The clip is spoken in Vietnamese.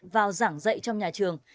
vào giảng dạy trong nhà trường